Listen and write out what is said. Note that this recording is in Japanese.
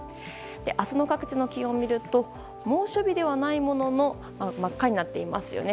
明日の各地の気温を見ると猛暑日ではないものの真っ赤になっていますよね。